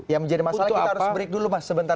yang menjadi masalah kita harus break dulu mas sebentar